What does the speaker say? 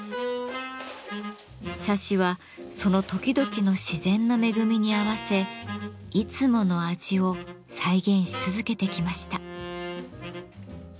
茶師はその時々の自然の恵みに合わせいつもの味を再現し続けてきました。